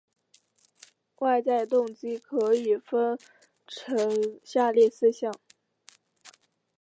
外在动机可以分成下列四项